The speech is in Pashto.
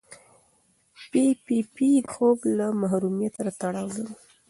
پي پي پي د خوب له محرومیت سره تړاو لري.